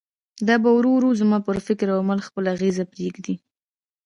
دا به ورو ورو زما پر فکر او عمل خپل اغېز پرېږدي.